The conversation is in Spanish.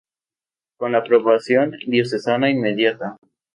Con la aprobación diocesana inmediata.